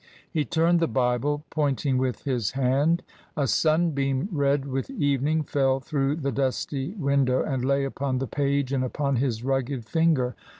" He turned the Bible, pointing with his hand. A sun beam red with evening fell through the dusty window and lay upon the page and upon his rugged finger.